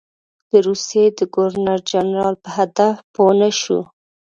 د روسیې د ګورنر جنرال په هدف پوه نه شو.